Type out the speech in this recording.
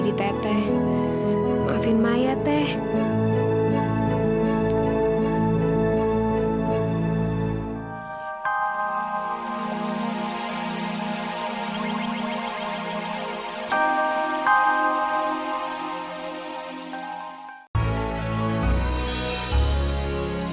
connectors perhatikan rambutnya lines